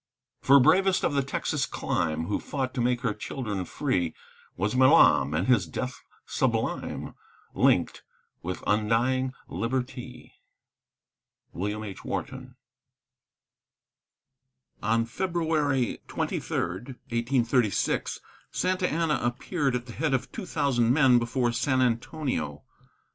For bravest of the Texan clime, Who fought to make her children free, Was Milam, and his death sublime Linked with undying Liberty! WILLIAM H. WHARTON. On February 23, 1836, Santa Anna appeared at the head of two thousand men before San Antonio.